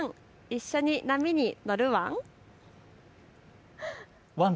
一緒に波に乗るワン？